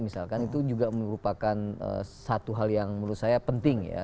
misalkan itu juga merupakan satu hal yang menurut saya penting ya